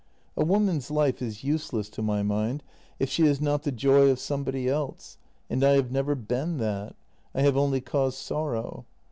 A woman's life is useless to my mind if she is not the joy of somebody else — and I have never been that — I have only caused sorrow.